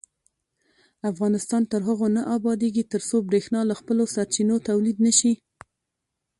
افغانستان تر هغو نه ابادیږي، ترڅو بریښنا له خپلو سرچینو تولید نشي.